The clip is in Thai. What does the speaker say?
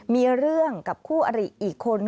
มีเรื่องกับคู่อริอีกคน